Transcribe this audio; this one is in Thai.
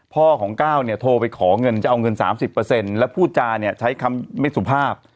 พ่อของก้าวเนี่ยโทรไปขอเงินจะเอาเงินสามสิบเปอร์เซ็นต์แล้วพูดจาเนี่ยใช้คำไม่สุภาพ